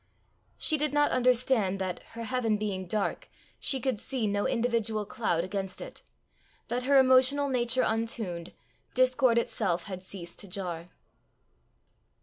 She did not understand that, her heaven being dark, she could see no individual cloud against it, that, her emotional nature untuned, discord itself had ceased to jar.